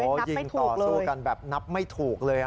โอ้โหยิงต่อสู้กันแบบนับไม่ถูกเลย